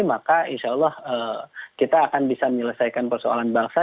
maka insya allah kita akan bisa menyelesaikan persoalan bangsa